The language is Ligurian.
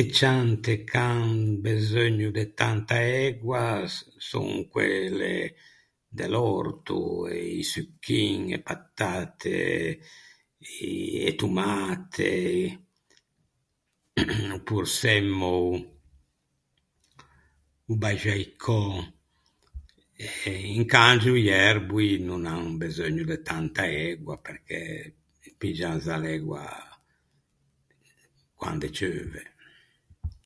E ciante ch’an beseugno de tanta ægua son quelle de l’òrto, i succhin, e patatte, e tomate, o porsemmao, o baxaicò e incangio i erboi no n’an beseugno de tanta ægua perché piggian za l’ægua quande ceuve.